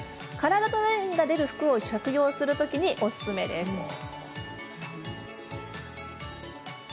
体のラインが出る服を着用するときにおすすめです。